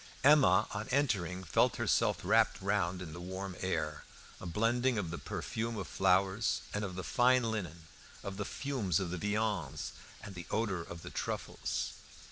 Emma, on entering, felt herself wrapped round by the warm air, a blending of the perfume of flowers and of the fine linen, of the fumes of the viands, and the odour of the truffles.